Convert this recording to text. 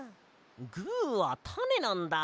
グーはタネなんだ。